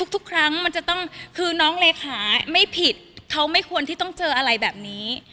ทุกครั้งมันจะต้องคือน้องเลขาไม่ผิดเขาไม่ควรที่ต้องเจออะไรแบบนี้